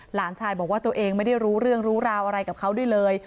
หลานชายบอกว่าตัวเองไม่ได้รู้เรื่องรู้ราวอะไรกับเขาด้วยเลย